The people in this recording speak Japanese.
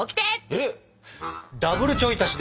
えっ？